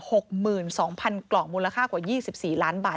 หกหมื่นสองพันกล่องมูลค่ากว่า๒๔ล้านบาท